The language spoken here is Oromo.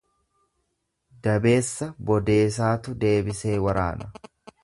Dabeessa bodeesaatu deebisee waraana.